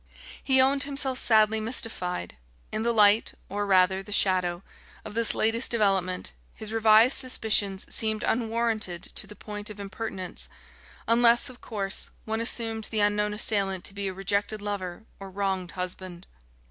He owned himself sadly mystified. In the light or, rather, the shadow of this latest development, his revised suspicions seemed unwarranted to the point of impertinence; unless, of course, one assumed the unknown assailant to be a rejected lover or wronged husband.